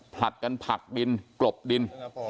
ผลัดกันผลักดินกลบดิน